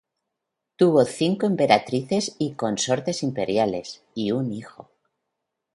Tuvo cinco Emperatrices y Consortes Imperiales y un hijo.